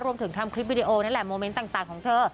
ทำคลิปวิดีโอนั่นแหละโมเมนต์ต่างของเธอ